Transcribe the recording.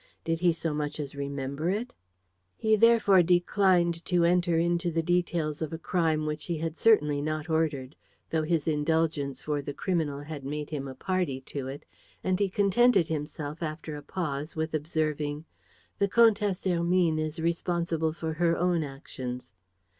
Did he so much as remember it? He therefore declined to enter into the details of a crime which he had certainly not ordered, though his indulgence for the criminal had made him a party to it, and he contented himself, after a pause, with observing: "The Comtesse Hermine is responsible for her own actions."